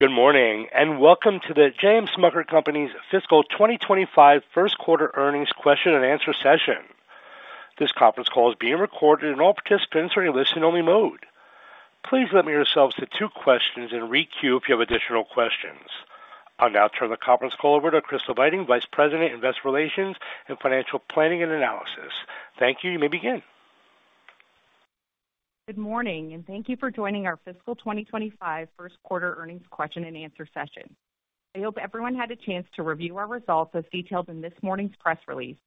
Good morning, and welcome to the JM Smucker Co's Fiscal 2025 First Quarter Earnings question and answer session. This conference call is being recorded, and all participants are in listen-only mode. Please limit yourselves to two questions and re-queue if you have additional questions. I'll now turn the conference call over to Crystal Beiting, Vice President, Investor Relations and Financial Planning and Analysis. Thank you. You may begin. Good morning, and thank you for joining our Fiscal 2025 First Quarter Earnings question and answer session. I hope everyone had a chance to review our results as detailed in this morning's press release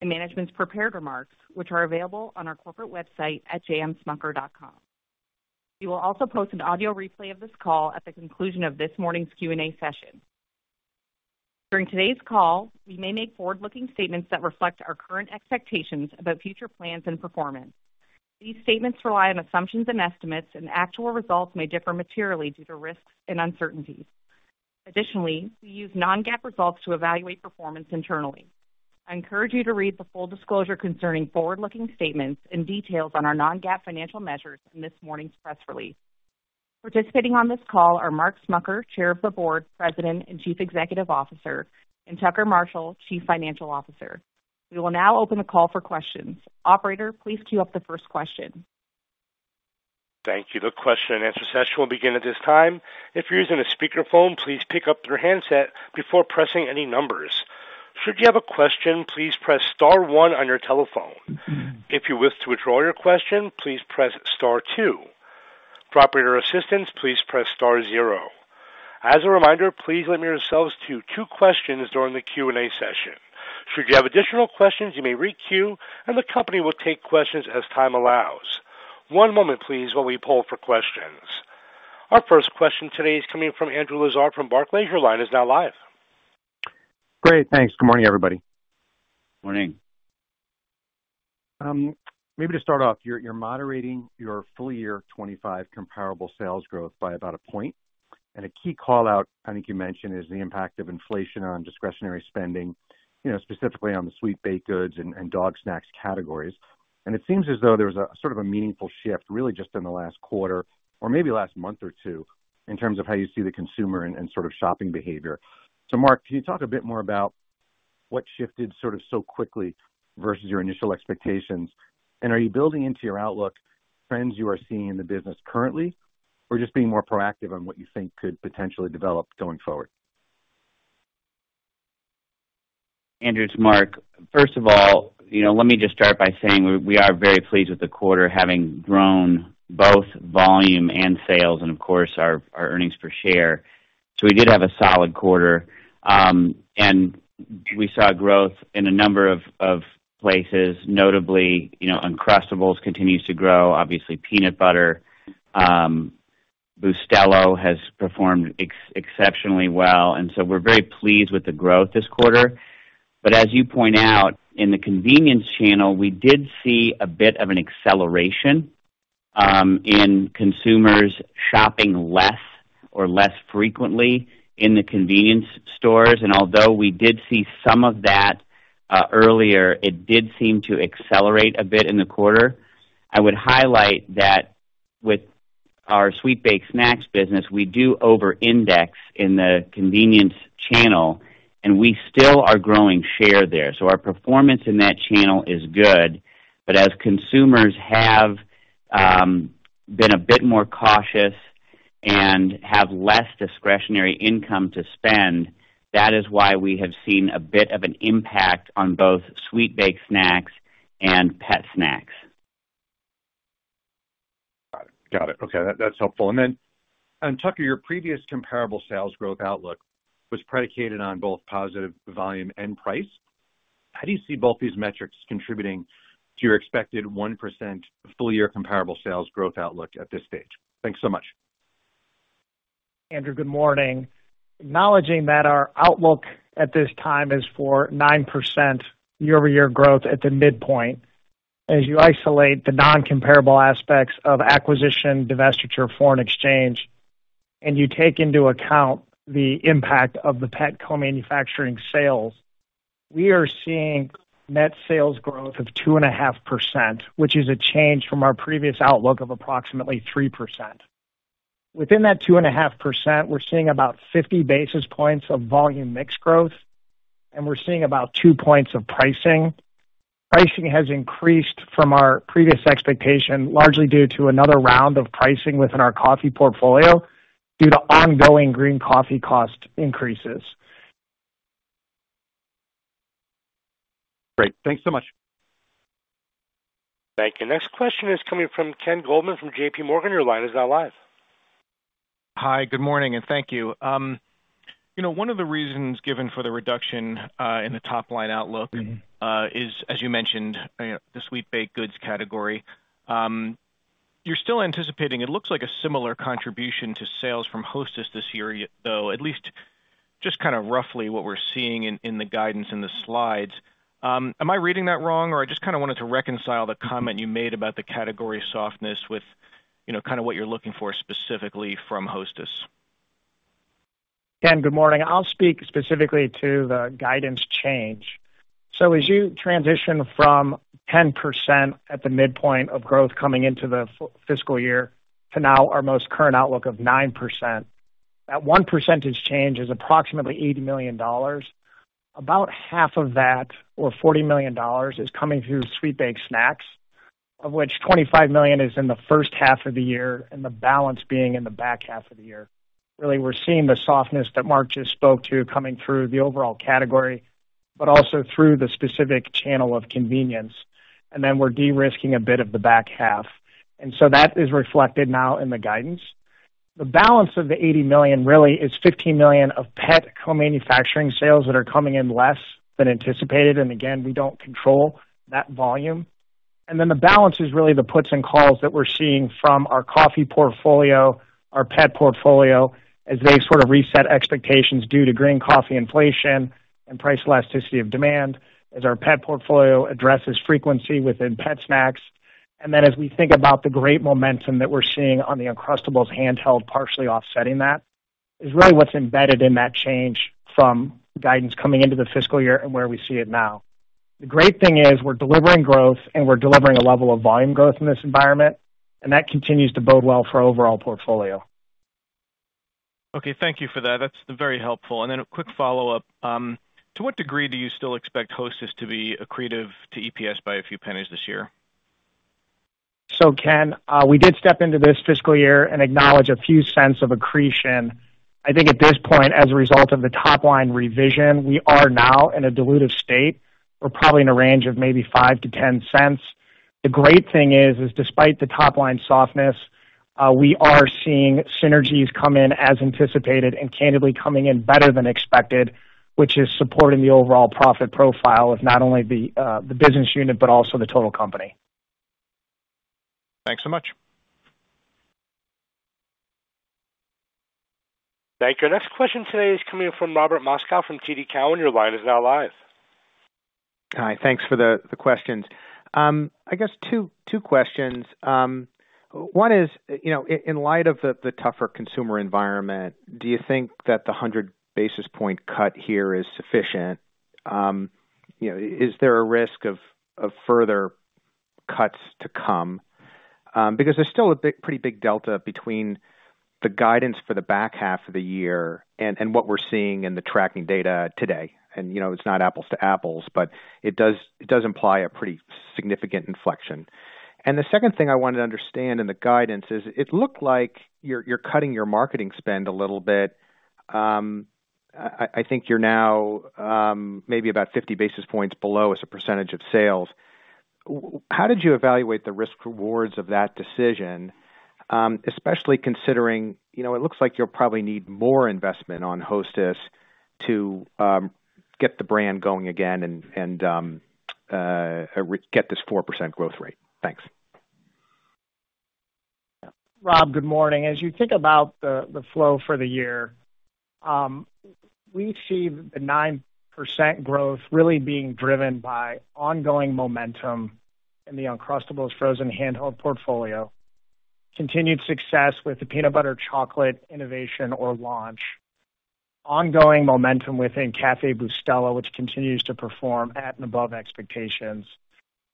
and management's prepared remarks, which are available on our corporate website at smucker.com. We will also post an audio replay of this call at the conclusion of this morning's Q&A session. During today's call, we may make forward-looking statements that reflect our current expectations about future plans and performance. These statements rely on assumptions and estimates, and actual results may differ materially due to risks and uncertainties. Additionally, we use non-GAAP results to evaluate performance internally. I encourage you to read the full disclosure concerning forward-looking statements and details on our non-GAAP financial measures in this morning's press release. Participating on this call are Mark Smucker, Chair of the Board, President, and Chief Executive Officer, and Tucker Marshall, Chief Financial Officer. We will now open the call for questions. Operator, please queue up the first question. Thank you. The question and answer session will begin at this time. If you're using a speakerphone, please pick up your handset before pressing any numbers. Should you have a question, please press star one on your telephone. If you wish to withdraw your question, please press star two. For operator assistance, please press star zero. As a reminder, please limit yourselves to two questions during the Q&A session. Should you have additional questions, you may re-queue, and the company will take questions as time allows. One moment, please, while we poll for questions. Our first question today is coming from Andrew Lazar from Barclays. Your line is now live. Great, thanks. Good morning, everybody. Morning. Maybe to start off, you're moderating your full year 2025 comparable sales growth by about a point. And a key call-out I think you mentioned is the impact of inflation on discretionary spending, you know, specifically on the sweet baked goods and dog snacks categories. And it seems as though there's a sort of a meaningful shift, really just in the last quarter or maybe last month or two, in terms of how you see the consumer and sort of shopping behavior. So Mark, can you talk a bit more about what shifted sort of so quickly versus your initial expectations? And are you building into your outlook trends you are seeing in the business currently, or just being more proactive on what you think could potentially develop going forward? Andrew, it's Mark. First of all, you know, let me just start by saying we are very pleased with the quarter, having grown both volume and sales and, of course, our earnings per share. So we did have a solid quarter, and we saw growth in a number of places. Notably, you know, Uncrustables continues to grow. Obviously, peanut butter, Bustelo has performed exceptionally well, and so we're very pleased with the growth this quarter. But as you point out, in the convenience channel, we did see a bit of an acceleration in consumers shopping less frequently in the convenience stores. And although we did see some of that earlier, it did seem to accelerate a bit in the quarter. I would highlight that with our sweet baked snacks business, we do over-index in the convenience channel, and we still are growing share there. So our performance in that channel is good. But as consumers have been a bit more cautious and have less discretionary income to spend, that is why we have seen a bit of an impact on both sweet baked snacks and pet snacks. Got it. Got it. Okay, that, that's helpful. And then, and Tucker, your previous comparable sales growth outlook was predicated on both positive volume and price. How do you see both these metrics contributing to your expected 1% full year comparable sales growth outlook at this stage? Thanks so much. Andrew, good morning. Acknowledging that our outlook at this time is for 9% year-over-year growth at the midpoint, as you isolate the non-comparable aspects of acquisition, divestiture, foreign exchange, and you take into account the impact of the pet co-manufacturing sales, we are seeing net sales growth of 2.5%, which is a change from our previous outlook of approximately 3%. Within that 2.5%, we're seeing about 50 basis points of volume mix growth, and we're seeing about two points of pricing. Pricing has increased from our previous expectation, largely due to another round of pricing within our coffee portfolio, due to ongoing green coffee cost increases. Great. Thanks so much. Thank you. Next question is coming from Ken Goldman from JPMorgan. Your line is now live. Hi, good morning, and thank you. You know, one of the reasons given for the reduction in the top-line outlook is, as you mentioned, you know, the sweet baked goods category. You're still anticipating, it looks like a similar contribution to sales from Hostess this year, though, at least just kind of roughly what we're seeing in the guidance in the slides. Am I reading that wrong, or I just kind of wanted to reconcile the comment you made about the category softness with, you know, kind of what you're looking for specifically from Hostess? Ken, good morning. I'll speak specifically to the guidance change. So as you transition from 10% at the midpoint of growth coming into the fiscal year to now our most current outlook of 9%, that one percentage change is approximately $80 million. About half of that, or $40 million, is coming through sweet baked snacks, of which $25 million is in the first half of the year, and the balance being in the back half of the year. Really, we're seeing the softness that Mark just spoke to coming through the overall category, but also through the specific channel of convenience, and then we're de-risking a bit of the back half. And so that is reflected now in the guidance. The balance of the $80 million really is $15 million of pet co-manufacturing sales that are coming in less than anticipated, and again, we don't control that volume. And then the balance is really the puts and calls that we're seeing from our coffee portfolio, our pet portfolio, as they sort of reset expectations due to green coffee inflation and price elasticity of demand, as our pet portfolio addresses frequency within pet snacks. And then as we think about the great momentum that we're seeing on the Uncrustables handheld, partially offsetting that, is really what's embedded in that change from guidance coming into the fiscal year and where we see it now. The great thing is, we're delivering growth, and we're delivering a level of volume growth in this environment, and that continues to bode well for our overall portfolio. Okay, thank you for that. That's very helpful. And then a quick follow-up. To what degree do you still expect Hostess to be accretive to EPS by a few pennies this year? So, Ken, we did step into this fiscal year and acknowledge a few cents of accretion. I think at this point, as a result of the top line revision, we are now in a dilutive state. We're probably in a range of maybe $0.05-$0.10. The great thing is, despite the top line softness, we are seeing synergies come in as anticipated and candidly coming in better than expected, which is supporting the overall profit profile of not only the business unit, but also the total company. Thanks so much. Thank you. Our next question today is coming from Robert Moskow from TD Cowen. Your line is now live. Hi, thanks for the questions. I guess two questions. One is, you know, in light of the tougher consumer environment, do you think that the 100 basis point cut here is sufficient? You know, is there a risk of further cuts to come? Because there's still a pretty big delta between the guidance for the back half of the year and what we're seeing in the tracking data today. And, you know, it's not apples to apples, but it does imply a pretty significant inflection. And the second thing I wanted to understand in the guidance is, it looked like you're cutting your marketing spend a little bit. I think you're now maybe about 50 basis points below as a percentage of sales. How did you evaluate the risk rewards of that decision, especially considering, you know, it looks like you'll probably need more investment on Hostess to get the brand going again and regain this 4% growth rate? Thanks. Rob, good morning. As you think about the flow for the year, we see the 9% growth really being driven by ongoing momentum in the Uncrustables frozen handheld portfolio, continued success with the peanut butter chocolate innovation or launch, ongoing momentum within Café Bustelo, which continues to perform at and above expectations,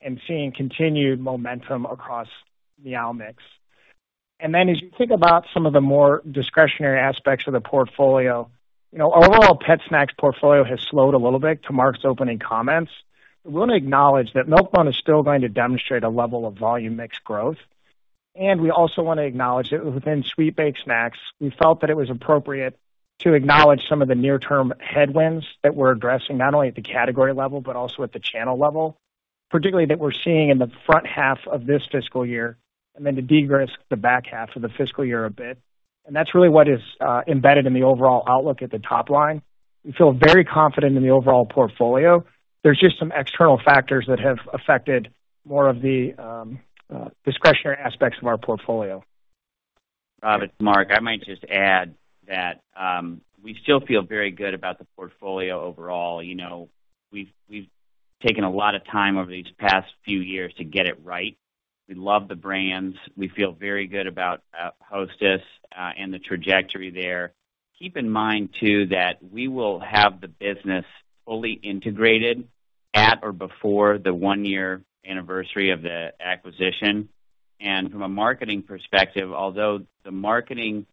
and seeing continued momentum across Meow Mix, and then as you think about some of the more discretionary aspects of the portfolio, you know, our overall pet snacks portfolio has slowed a little bit to Mark's opening comments. We wanna acknowledge that Milk-Bone is still going to demonstrate a level of volume mix growth, and we also want to acknowledge that within sweet baked snacks, we felt that it was appropriate to acknowledge some of the near-term headwinds that we're addressing, not only at the category level, but also at the channel level, particularly that we're seeing in the front half of this fiscal year, and then to de-risk the back half of the fiscal year a bit, and that's really what is embedded in the overall outlook at the top line. We feel very confident in the overall portfolio. There's just some external factors that have affected more of the discretionary aspects of our portfolio. Robert, Mark, I might just add that, we still feel very good about the portfolio overall. You know, we've taken a lot of time over these past few years to get it right. We love the brands. We feel very good about Hostess and the trajectory there. Keep in mind, too, that we will have the business fully integrated at or before the one-year anniversary of the acquisition, and from a marketing perspective, although the marketing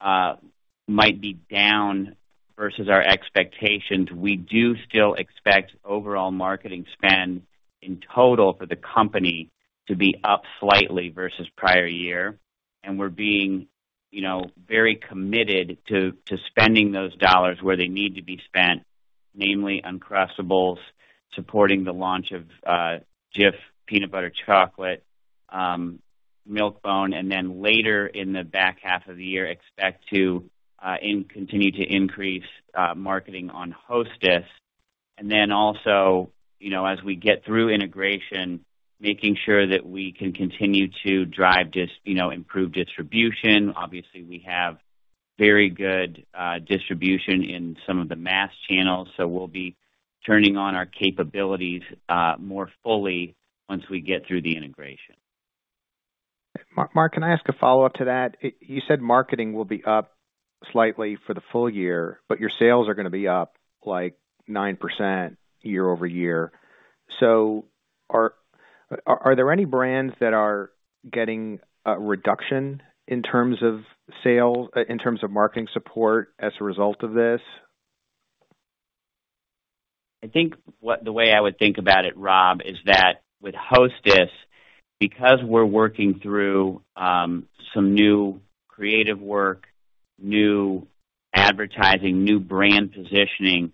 might be down versus our expectations, we do still expect overall marketing spend in total for the company to be up slightly versus prior year. And we're being, you know, very committed to spending those dollars where they need to be spent, namely Uncrustables, supporting the launch of Jif Peanut Butter Chocolate, Milk-Bone, and then later in the back half of the year, expect to continue to increase marketing on Hostess. And then also, you know, as we get through integration, making sure that we can continue to drive you know, improve distribution. Obviously, we have very good distribution in some of the mass channels, so we'll be turning on our capabilities more fully once we get through the integration. Mark, can I ask a follow-up to that? You said marketing will be up slightly for the full year, but your sales are gonna be up, like, 9% year over year. So are there any brands that are getting a reduction in terms of sales, in terms of marketing support as a result of this? I think the way I would think about it, Rob, is that with Hostess, because we're working through some new creative work, new advertising, new brand positioning,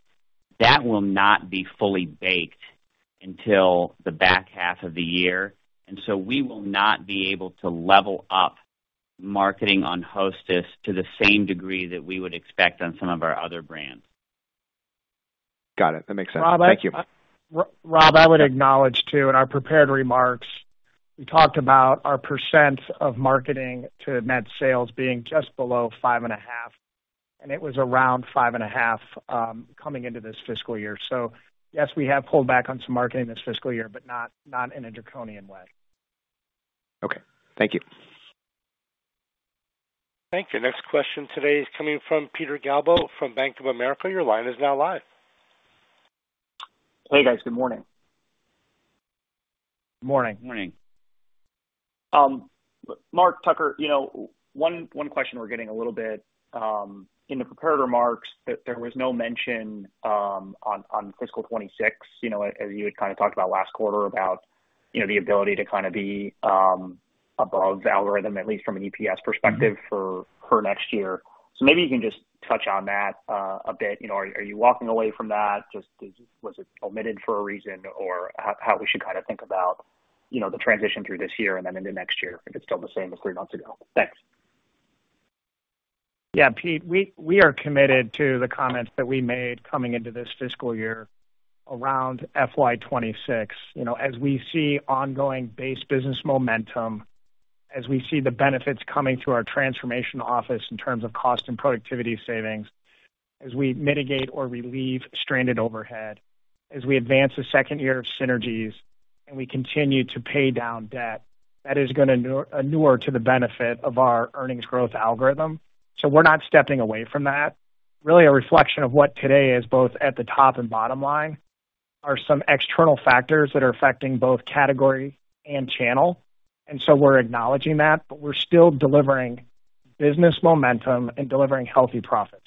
that will not be fully baked until the back half of the year, and so we will not be able to level up marketing on Hostess to the same degree that we would expect on some of our other brands. Got it. That makes sense. Thank you. Rob, I would acknowledge, too, in our prepared remarks, we talked about our percent of marketing to net sales being just below 5.5%, and it was around 5.5%, coming into this fiscal year. So yes, we have pulled back on some marketing this fiscal year, but not in a draconian way. Okay. Thank you. Thank you. Next question today is coming from Peter Galbo from Bank of America. Your line is now live. Hey, guys. Good morning. Morning. Morning. Mark, Tucker, you know, one question we're getting a little bit in the prepared remarks, that there was no mention on Fiscal 2026. You know, as you had kind of talked about last quarter, about, you know, the ability to kind of be above the algorithm, at least from an EPS perspective for next year. So maybe you can just touch on that a bit. You know, are you walking away from that? Just, was it omitted for a reason? Or how we should kind of think about, you know, the transition through this year and then into next year, if it's still the same as three months ago. Thanks. Yeah, Pete, we are committed to the comments that we made coming into this fiscal year around FY 2026. You know, as we see ongoing base business momentum, as we see the benefits coming through our transformation office in terms of cost and productivity savings, as we mitigate or relieve stranded overhead, as we advance the second year of synergies and we continue to pay down debt, that is gonna inure to the benefit of our earnings growth algorithm. So we're not stepping away from that. Really, a reflection of what today is, both at the top and bottom line, are some external factors that are affecting both category and channel, and so we're acknowledging that, but we're still delivering business momentum and delivering healthy profits.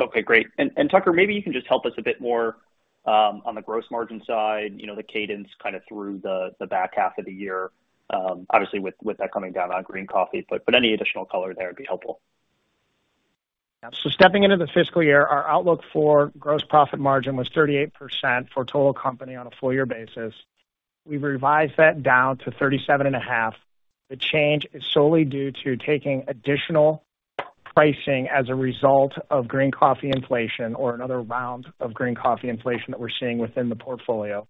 Okay, great. And, and Tucker, maybe you can just help us a bit more, on the gross margin side, you know, the cadence kind of through the back half of the year. Obviously, with that coming down on green coffee, but any additional color there would be helpful. So stepping into the fiscal year, our outlook for gross profit margin was 38% for total company on a full year basis. We've revised that down to 37.5%. The change is solely due to taking additional pricing as a result of green coffee inflation or another round of green coffee inflation that we're seeing within the portfolio.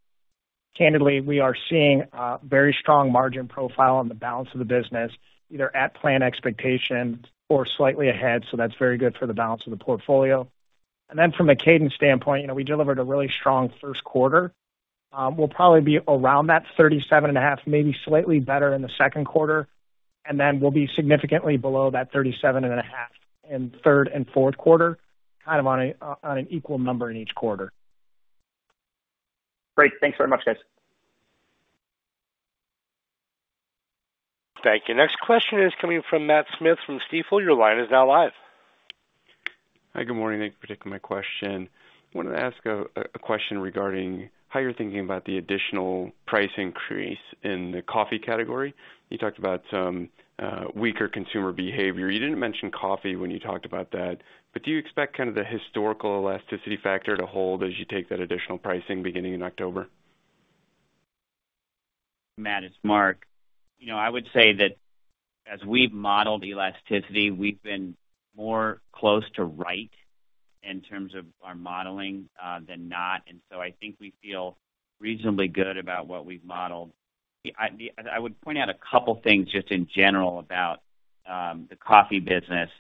Candidly, we are seeing a very strong margin profile on the balance of the business, either at plan expectations or slightly ahead, so that's very good for the balance of the portfolio, and then from a cadence standpoint, you know, we delivered a really strong first quarter. We'll probably be around that 37.5%, maybe slightly better in the second quarter, and then we'll be significantly below that 37.5% in third and fourth quarter, kind of on an equal number in each quarter. Great. Thanks very much, guys. Thank you. Next question is coming from Matt Smith from Stifel. Your line is now live. Hi, good morning. Thank you for taking my question. Wanted to ask a question regarding how you're thinking about the additional price increase in the coffee category. You talked about some weaker consumer behavior. You didn't mention coffee when you talked about that, but do you expect kind of the historical elasticity factor to hold as you take that additional pricing beginning in October? Matt, it's Mark. You know, I would say that as we've modeled elasticity, we've been more close to right in terms of our modeling than not, and so I think we feel reasonably good about what we've modeled. I would point out a couple things just in general about the coffee business.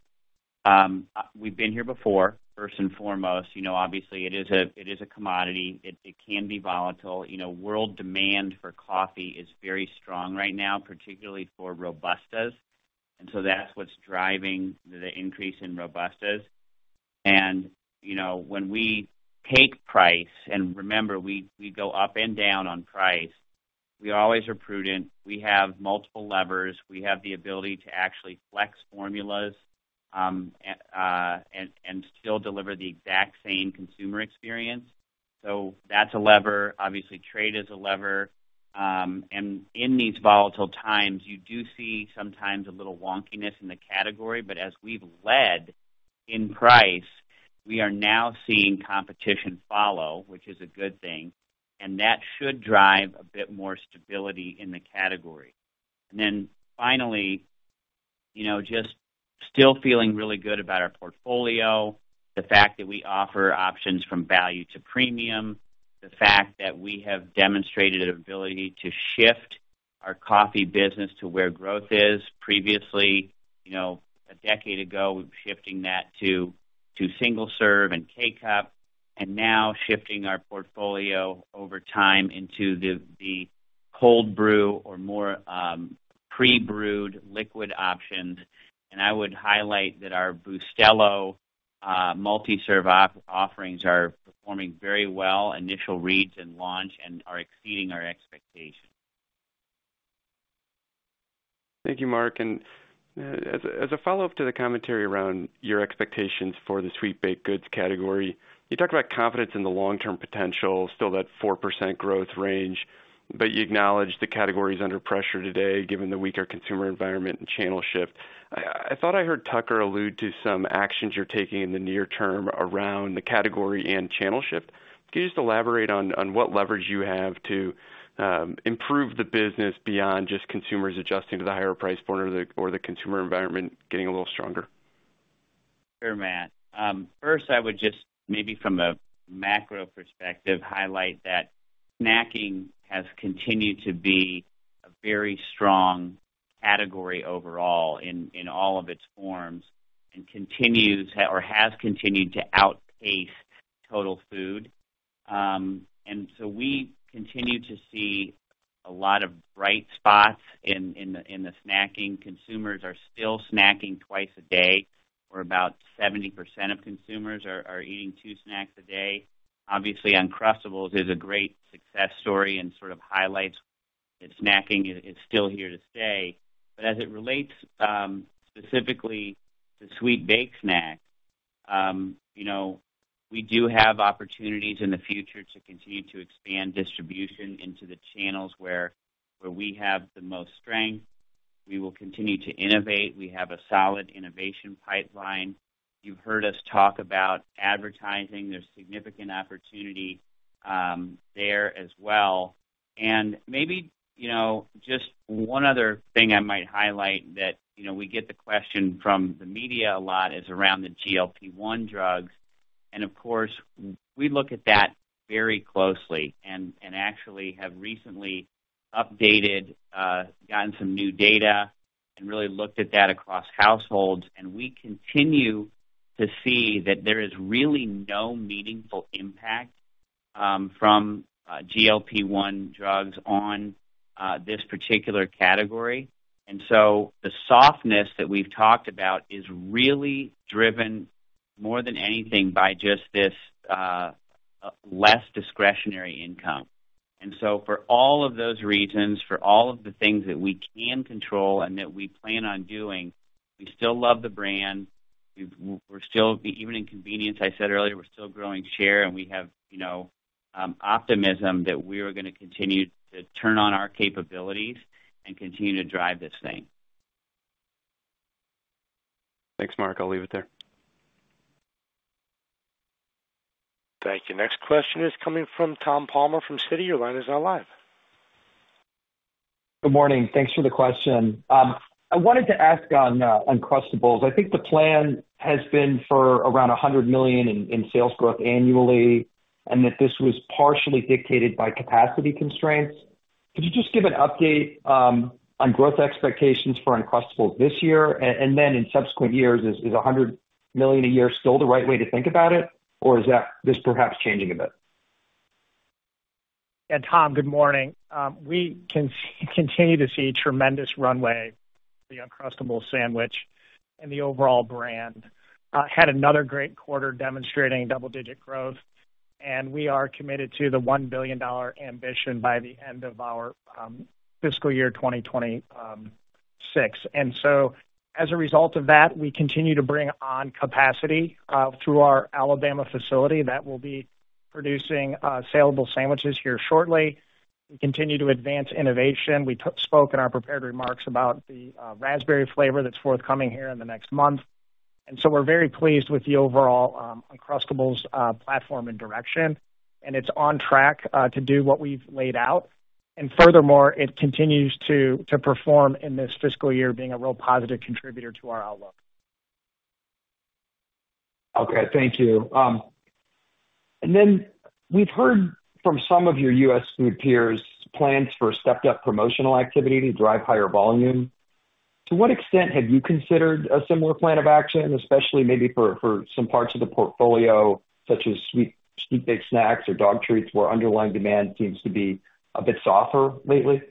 We've been here before, first and foremost. You know, obviously it is a commodity. It can be volatile. You know, world demand for coffee is very strong right now, particularly for Robusta, and so that's what's driving the increase in Robusta. And, you know, when we take price, and remember, we go up and down on price, we always are prudent. We have multiple levers. We have the ability to actually flex formulas and still deliver the exact same consumer experience. That's a lever. Obviously, trade is a lever. In these volatile times, you do see sometimes a little wonkiness in the category, but as we've led in price, we are now seeing competition follow, which is a good thing, and that should drive a bit more stability in the category. Finally, you know, just still feeling really good about our portfolio, the fact that we offer options from value to premium, the fact that we have demonstrated an ability to shift our coffee business to where growth is. Previously, you know, a decade ago, shifting that to single serve and K-Cup, and now shifting our portfolio over time into the cold brew or more pre-brewed liquid options. I would highlight that our Bustelo multi-serve offerings are performing very well, initial reads and launch, and are exceeding our expectations. Thank you, Mark. And as a follow-up to the commentary around your expectations for the sweet baked goods category, you talked about confidence in the long-term potential, still that 4% growth range, but you acknowledged the category is under pressure today, given the weaker consumer environment and channel shift. I thought I heard Tucker allude to some actions you're taking in the near term around the category and channel shift. Can you just elaborate on what leverage you have to improve the business beyond just consumers adjusting to the higher price point or the consumer environment getting a little stronger? Sure, Matt. First, I would just, maybe from a macro perspective, highlight that snacking has continued to be a very strong category overall in all of its forms, and continues or has continued to outpace total food. And so we continue to see a lot of bright spots in the snacking. Consumers are still snacking twice a day, or about 70% of consumers are eating two snacks a day. Obviously, Uncrustables is a great success story and sort of highlights that snacking is still here to stay. But as it relates, specifically to sweet baked snacks, you know, we do have opportunities in the future to continue to expand distribution into the channels where we have the most strength. We will continue to innovate. We have a solid innovation pipeline. You've heard us talk about advertising. There's significant opportunity there as well. And maybe, you know, just one other thing I might highlight that, you know, we get the question from the media a lot, is around the GLP-1 drugs. And of course, we look at that very closely and actually have recently updated, gotten some new data and really looked at that across households. And we continue to see that there is really no meaningful impact from GLP-1 drugs on this particular category. And so the softness that we've talked about is really driven, more than anything, by just this less discretionary income. And so for all of those reasons, for all of the things that we can control and that we plan on doing, we still love the brand. We're still even in convenience. I said earlier, we're still growing share, and we have, you know, optimism that we are gonna continue to turn on our capabilities and continue to drive this thing. Thanks, Mark. I'll leave it there. Thank you. Next question is coming from Tom Palmer, from Citi. Your line is now live. Good morning. Thanks for the question. I wanted to ask on Uncrustables. I think the plan has been for around $100 million in sales growth annually, and that this was partially dictated by capacity constraints. Could you just give an update on growth expectations for Uncrustables this year? And then in subsequent years, is $100 million a year still the right way to think about it, or is that just perhaps changing a bit? Yeah, Tom, good morning. We can continue to see tremendous runway for the Uncrustables sandwich and the overall brand. Had another great quarter demonstrating double-digit growth, and we are committed to the $1 billion ambition by the end of our fiscal year 2026. And so as a result of that, we continue to bring on capacity through our Alabama facility that will be producing saleable sandwiches here shortly. We continue to advance innovation. We spoke in our prepared remarks about the raspberry flavor that's forthcoming here in the next month. And so we're very pleased with the overall Uncrustables platform and direction, and it's on track to do what we've laid out. And furthermore, it continues to perform in this fiscal year, being a real positive contributor to our outlook. Okay. Thank you. And then we've heard from some of your U.S. food peers plans for stepped-up promotional activity to drive higher volume. To what extent have you considered a similar plan of action, especially maybe for some parts of the portfolio, such as sweet baked snacks or dog treats, where underlying demand seems to be a bit softer lately?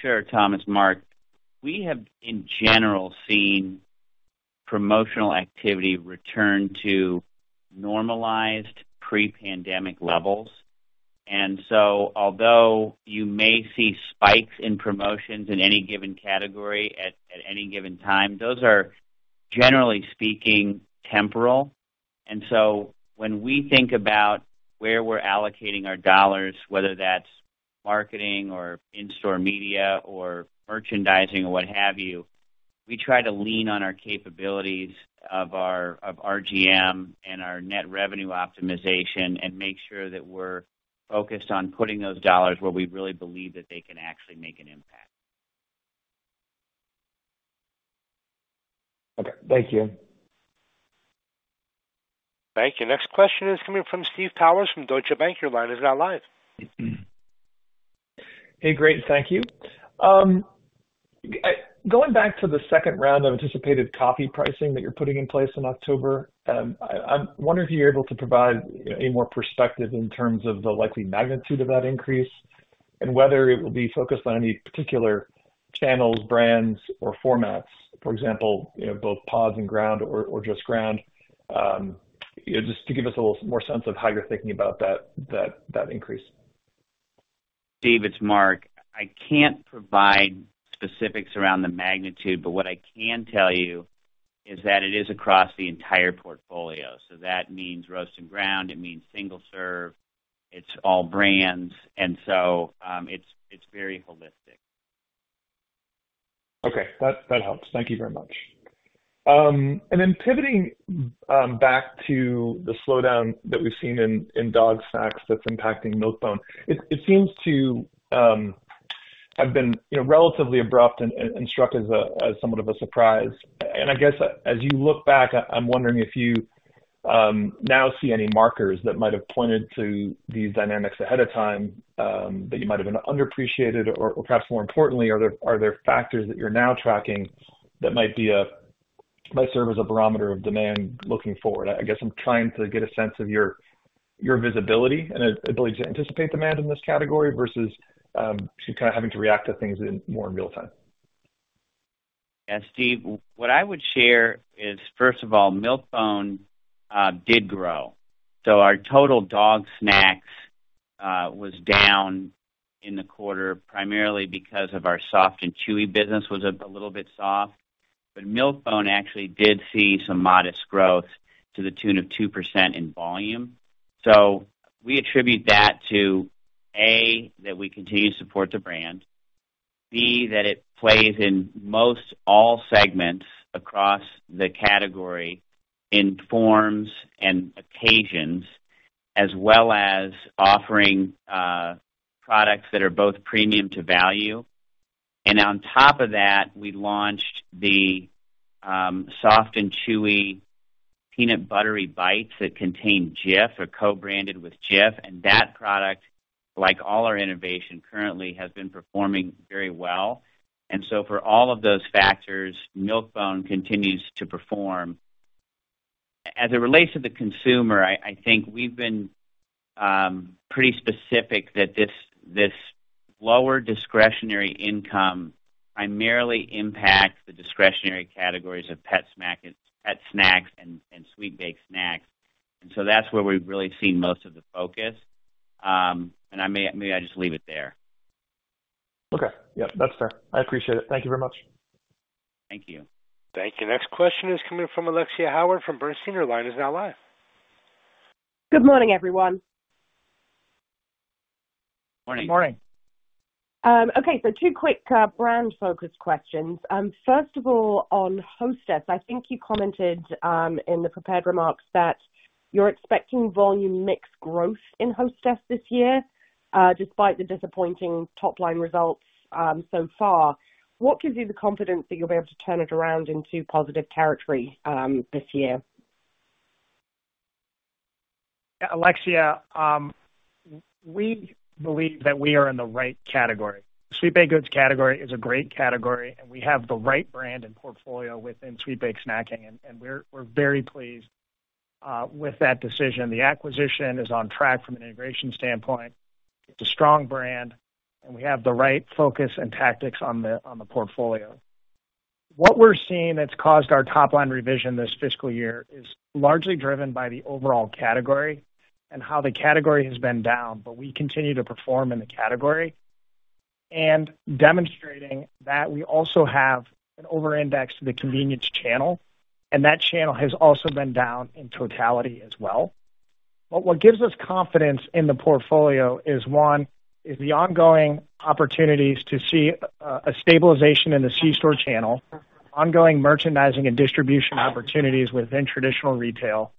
Sure, Tom, it's Mark. We have, in general, seen promotional activity return to normalized pre-pandemic levels. And so although you may see spikes in promotions in any given category at any given time, those are, generally speaking, temporal. And so when we think about where we're allocating our dollars, whether that's marketing or in-store media or merchandising or what have you, we try to lean on our capabilities of our RGM and our net revenue optimization and make sure that we're focused on putting those dollars where we really believe that they can actually make an impact. Okay. Thank you. Thank you. Next question is coming from Steve Powers from Deutsche Bank. Your line is now live. Hey, great, thank you. Going back to the second round of anticipated coffee pricing that you're putting in place in October, I wonder if you're able to provide any more perspective in terms of the likely magnitude of that increase and whether it will be focused on any particular channels, brands, or formats, for example, you know, both pods and ground or just ground. Just to give us a little more sense of how you're thinking about that increase. Steve, it's Mark. I can't provide specifics around the magnitude, but what I can tell you is that it is across the entire portfolio. So that means roast and ground, it means single serve, it's all brands, and so, it's very holistic. Okay. That helps. Thank you very much. And then pivoting back to the slowdown that we've seen in dog snacks that's impacting Milk-Bone. It seems to have been, you know, relatively abrupt and struck as somewhat of a surprise. And I guess as you look back, I'm wondering if you now see any markers that might have pointed to these dynamics ahead of time that you might have been underappreciated or perhaps more importantly, are there factors that you're now tracking that might serve as a barometer of demand looking forward? I guess I'm trying to get a sense of your visibility and ability to anticipate demand in this category versus kind of having to react to things more in real time. Yeah, Steve, what I would share is, first of all, Milk-Bone did grow. So our total dog snacks was down in the quarter, primarily because of our Soft & Chewy business was a little bit soft. But Milk-Bone actually did see some modest growth to the tune of 2% in volume. So we attribute that to, A, that we continue to support the brand, B, that it plays in most all segments across the category in forms and occasions, as well as offering products that are both premium to value. And on top of that, we launched the Soft & Chewy Peanut Buttery Bites that contain Jif or co-branded with Jif. And that product, like all our innovation currently, has been performing very well. And so for all of those factors, Milk-Bone continues to perform. As it relates to the consumer, I, I think we've been pretty specific that this, this lower discretionary income primarily impacts the discretionary categories of pet snacks and sweet baked snacks. And so that's where we've really seen most of the focus. And I may, maybe I just leave it there. Okay. Yeah, that's fair. I appreciate it. Thank you very much. Thank you. Thank you. Next question is coming from Alexia Howard from Bernstein. Your line is now live. Good morning, everyone. Morning. Good morning. Okay, so two quick, brand-focused questions. First of all, on Hostess, I think you commented in the prepared remarks that you're expecting volume mix growth in Hostess this year, despite the disappointing top-line results so far. What gives you the confidence that you'll be able to turn it around into positive territory this year? Alexia, we believe that we are in the right category. Sweet baked goods category is a great category, and we have the right brand and portfolio within sweet baked snacking, and we're very pleased with that decision. The acquisition is on track from an integration standpoint. It's a strong brand, and we have the right focus and tactics on the portfolio. What we're seeing that's caused our top line revision this fiscal year is largely driven by the overall category and how the category has been down, but we continue to perform in the category, demonstrating that we also have an overindex to the convenience channel, and that channel has also been down in totality as well. But what gives us confidence in the portfolio is, one, is the ongoing opportunities to see a stabilization in the C-store channel, ongoing merchandising and distribution opportunities within traditional retail,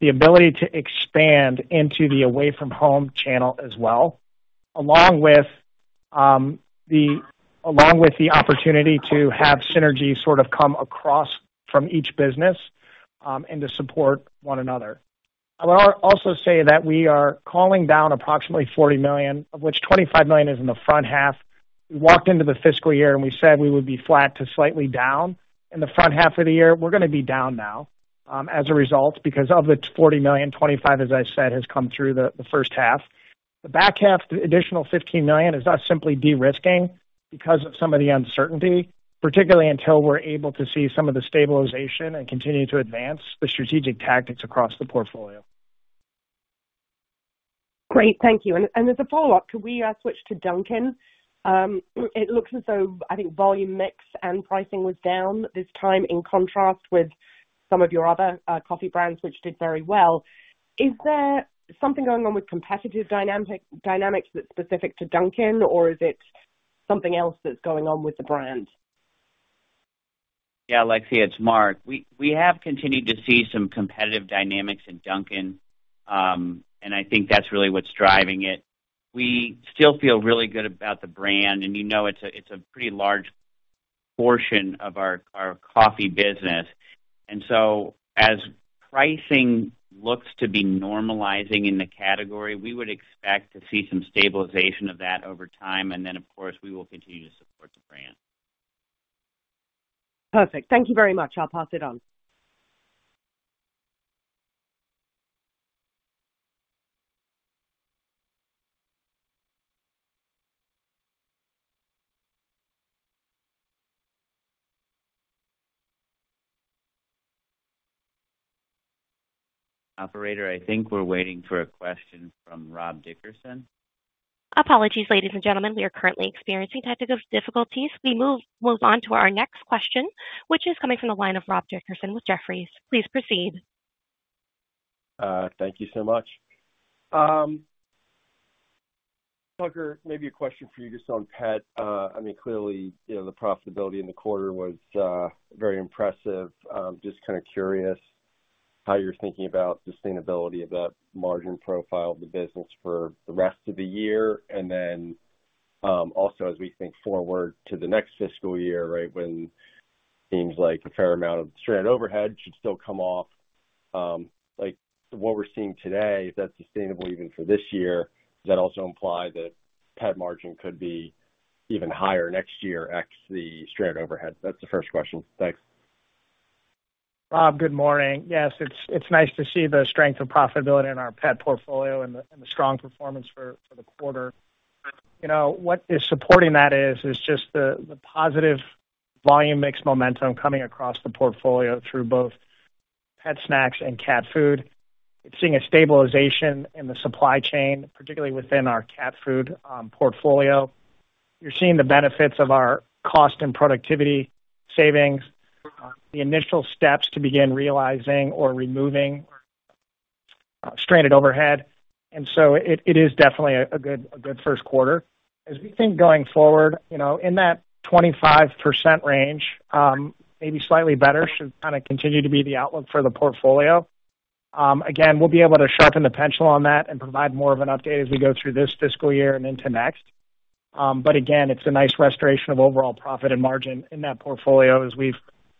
the ability to expand into the Away From Home channel as well, along with the opportunity to have synergy sort of come across from each business, and to support one another. I would also say that we are calling down approximately $40 million, of which $25 million is in the front half. We walked into the fiscal year, and we said we would be flat to slightly down in the front half of the year. We're gonna be down now, as a result, because of the $40 million, $25, as I said, has come through the first half. The back half, the additional $15 million, is us simply de-risking because of some of the uncertainty, particularly until we're able to see some of the stabilization and continue to advance the strategic tactics across the portfolio. Great. Thank you. And as a follow-up, could we switch to Dunkin'? It looks as though I think volume mix and pricing was down this time, in contrast with some of your other coffee brands, which did very well. Is there something going on with competitive dynamics that's specific to Dunkin', or is it something else that's going on with the brand? Yeah, Alexia, it's Mark. We have continued to see some competitive dynamics in Dunkin', and I think that's really what's driving it. We still feel really good about the brand, and you know, it's a pretty large portion of our coffee business. So as pricing looks to be normalizing in the category, we would expect to see some stabilization of that over time, and then, of course, we will continue to support the brand. Perfect. Thank you very much. I'll pass it on. Operator, I think we're waiting for a question from Rob Dickerson. Apologies, ladies and gentlemen, we are currently experiencing technical difficulties. We move on to our next question, which is coming from the line of Rob Dickerson with Jefferies. Please proceed. Thank you so much. Tucker, maybe a question for you just on pet. I mean, clearly, you know, the profitability in the quarter was very impressive. Just kind of curious how you're thinking about sustainability of the margin profile of the business for the rest of the year. And then, also, as we think forward to the next fiscal year, right, when seems like a fair amount of stranded overhead should still come off. Like, what we're seeing today, is that sustainable even for this year? Does that also imply that pet margin could be even higher next year ex the stranded overhead? That's the first question. Thanks. Rob, good morning. Yes, it's nice to see the strength of profitability in our pet portfolio and the strong performance for the quarter. You know, what is supporting that is just the positive volume mix momentum coming across the portfolio through both pet snacks and cat food. It's seeing a stabilization in the supply chain, particularly within our cat food portfolio. You're seeing the benefits of our cost and productivity savings, the initial steps to begin realizing or removing stranded overhead, and so it is definitely a good first quarter. As we think going forward, you know, in that 25% range, maybe slightly better, should kind of continue to be the outlook for the portfolio. Again, we'll be able to sharpen the pencil on that and provide more of an update as we go through this fiscal year and into next. But again, it's a nice restoration of overall profit and margin in that portfolio as we've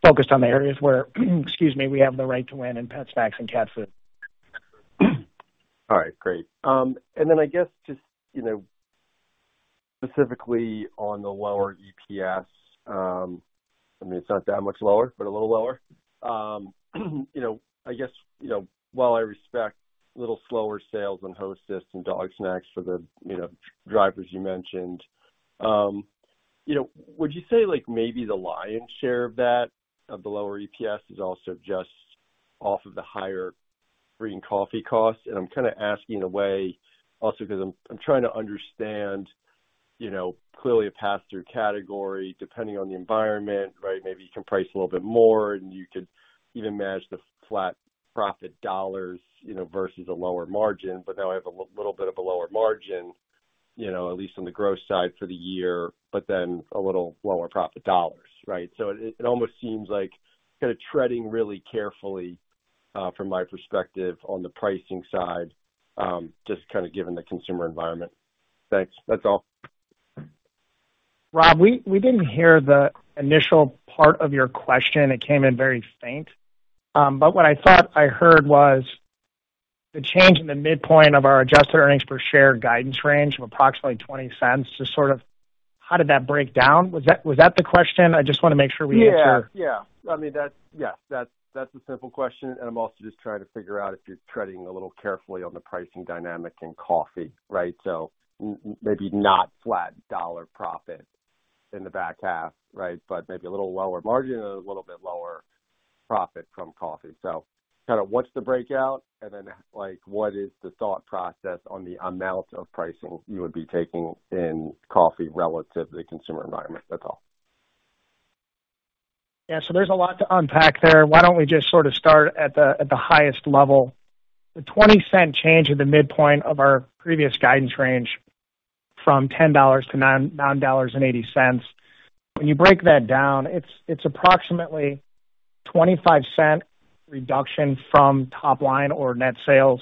focused on the areas where, excuse me, we have the right to win in pet snacks and cat food. All right, great, and then I guess just, you know, specifically on the lower EPS, I mean, it's not that much lower, but a little lower. You know, I guess, you know, while I respect a little slower sales on Hostess and dog snacks for the, you know, drivers you mentioned, you know, would you say, like, maybe the lion's share of that, of the lower EPS is also just off of the higher green coffee costs? and I'm kind of asking in a way, also, because I'm trying to understand, you know, clearly a pass-through category, depending on the environment, right? Maybe you can price a little bit more, and you could even manage the flat profit dollars, you know, versus a lower margin. But now I have a little bit of a lower margin, you know, at least on the gross side for the year, but then a little lower profit dollars, right? So it almost seems like kind of treading really carefully from my perspective, on the pricing side, just kind of given the consumer environment. Thanks. That's all. Rob, we didn't hear the initial part of your question. It came in very faint. But what I thought I heard was the change in the midpoint of our adjusted earnings per share guidance range of approximately $0.20. Just sort of how did that break down? Was that the question? I just want to make sure we answer. Yeah. Yeah. I mean, that's, yes, that's, that's the simple question. And I'm also just trying to figure out if you're treading a little carefully on the pricing dynamic in coffee, right? So maybe not flat dollar profit in the back half, right? But maybe a little lower margin and a little bit lower profit from coffee. So kind of what's the breakout, and then, like, what is the thought process on the amount of pricing you would be taking in coffee relative to the consumer environment? That's all. Yeah, so there's a lot to unpack there. Why don't we just sort of start at the, at the highest level? The $0.20 change at the midpoint of our previous guidance range from $10 to $9.80. When you break that down, it's approximately $0.25 reduction from top line or net sales.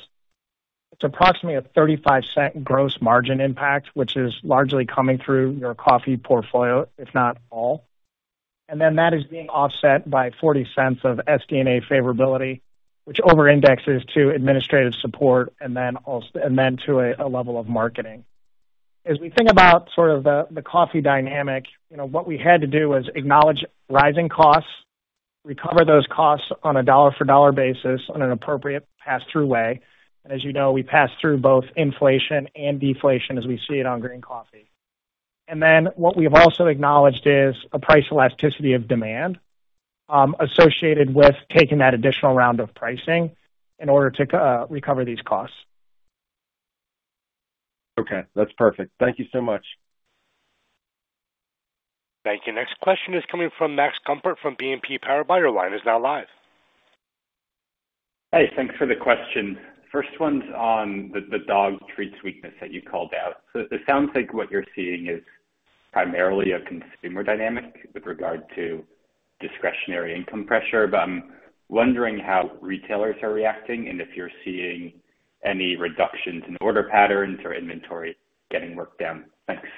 It's approximately a $0.35 gross margin impact, which is largely coming through your coffee portfolio, if not all. And then that is being offset by $0.40 of SG&A favorability, which over indexes to administrative support and then also, and then to a level of marketing. As we think about sort of the coffee dynamic, you know, what we had to do was acknowledge rising costs, recover those costs on a dollar-for-dollar basis on an appropriate pass-through way. And as you know, we pass through both inflation and deflation as we see it on green coffee. And then what we've also acknowledged is a price elasticity of demand, associated with taking that additional round of pricing in order to recover these costs. Okay, that's perfect. Thank you so much. Thank you. Next question is coming from Max Gumport from BNP Paribas. Your line is now live. Hey, thanks for the question. First one's on the dog treats weakness that you called out. So it sounds like what you're seeing is primarily a consumer dynamic with regard to discretionary income pressure, but I'm wondering how retailers are reacting and if you're seeing any reductions in order patterns or inventory getting worked down. Thanks.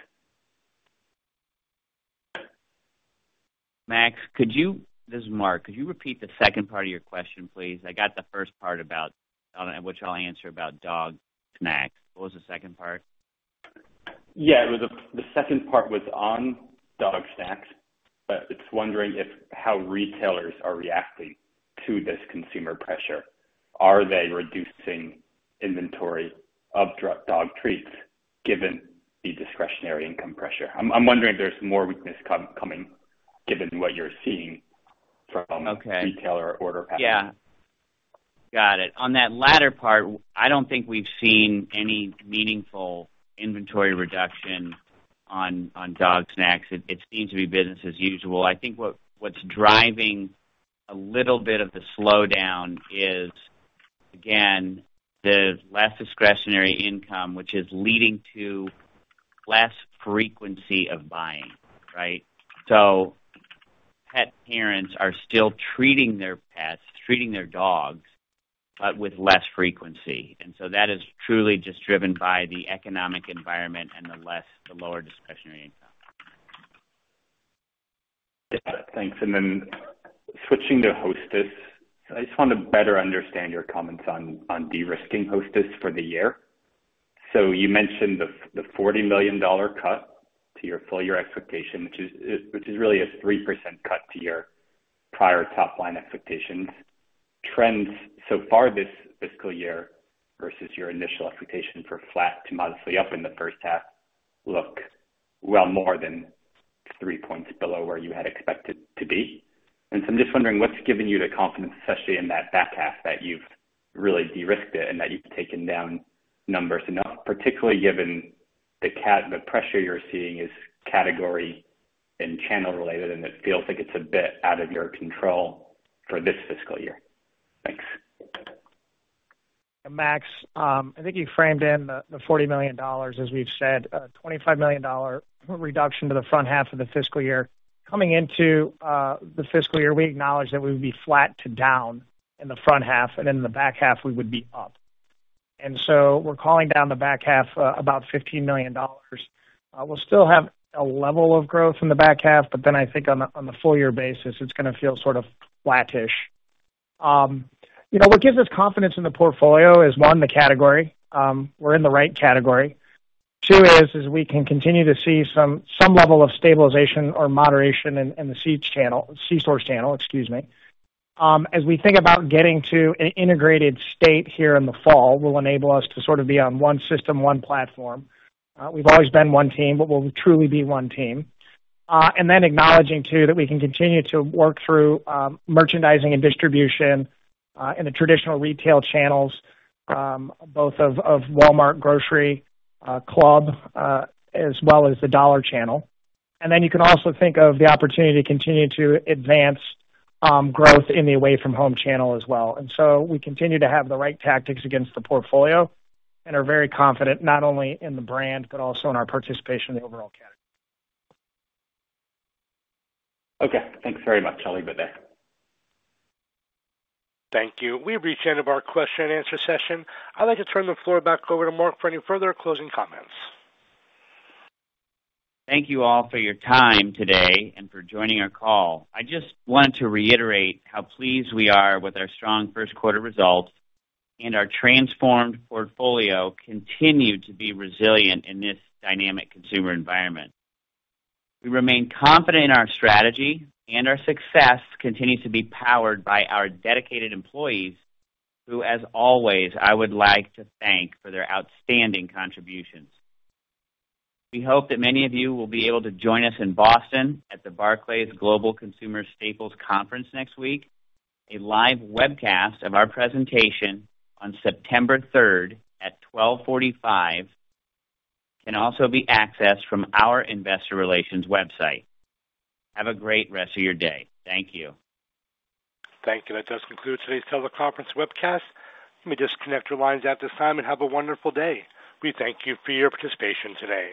Max, could you, this is Mark. Could you repeat the second part of your question, please? I got the first part about, which I'll answer about dog snacks. What was the second part? Yeah, the second part was on dog snacks, but it's wondering if how retailers are reacting to this consumer pressure. Are they reducing inventory of dog treats, given the discretionary income pressure? I'm wondering if there's more weakness coming, given what you're seeing from- Okay. retailer order patterns. Yeah. Got it. On that latter part, I don't think we've seen any meaningful inventory reduction on dog snacks. It seems to be business as usual. I think what's driving a little bit of the slowdown is, again, the less discretionary income, which is leading to less frequency of buying, right? So pet parents are still treating their pets, treating their dogs, but with less frequency, and so that is truly just driven by the economic environment and the lower discretionary income. Yeah, thanks. And then switching to Hostess, I just want to better understand your comments on de-risking Hostess for the year. So you mentioned the $40 million cut to your full year expectation, which is really a 3% cut to your prior top line expectations. Trends so far this fiscal year versus your initial expectation for flat to modestly up in the first half look well more than three points below where you had expected to be. And so I'm just wondering, what's giving you the confidence, especially in that back half, that you've really de-risked it and that you've taken down numbers enough, particularly given the category pressure you're seeing is category and channel related, and it feels like it's a bit out of your control for this fiscal year. Thanks. Max, I think you framed in the $40 million, as we've said, $25 million reduction to the front half of the fiscal year. Coming into the fiscal year, we acknowledged that we would be flat to down in the front half, and in the back half we would be up. And so we're calling down the back half about $15 million. We'll still have a level of growth in the back half, but then I think on the full year basis, it's gonna feel sort of flattish. You know, what gives us confidence in the portfolio is, one, the category. We're in the right category. Two is we can continue to see some level of stabilization or moderation in the C-store channel, excuse me. As we think about getting to an integrated state here in the fall, will enable us to sort of be on one system, one platform. We've always been one team, but we'll truly be one team and then acknowledging, too, that we can continue to work through merchandising and distribution in the traditional retail channels, both of Walmart, grocery, club, as well as the dollar channel, and then you can also think of the opportunity to continue to advance growth in the Away From Home channel as well, and so we continue to have the right tactics against the portfolio and are very confident not only in the brand, but also in our participation in the overall category. Okay, thanks very much. I'll leave it there. Thank you. We've reached the end of our question and answer session. I'd like to turn the floor back over to Mark for any further closing comments. Thank you all for your time today and for joining our call. I just want to reiterate how pleased we are with our strong first quarter results, and our transformed portfolio continued to be resilient in this dynamic consumer environment. We remain confident in our strategy, and our success continues to be powered by our dedicated employees, who, as always, I would like to thank for their outstanding contributions. We hope that many of you will be able to join us in Boston at the Barclays Global Consumer Staples Conference next week. A live webcast of our presentation on September 3rd at 12:45 P.M. can also be accessed from our investor relations website. Have a great rest of your day. Thank you. Thank you. That does conclude today's teleconference webcast. Let me disconnect your lines at this time, and have a wonderful day. We thank you for your participation today.